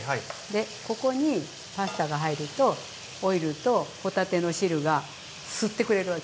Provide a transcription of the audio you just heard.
ここにパスタが入るとオイルと帆立ての汁が吸ってくれるわけ。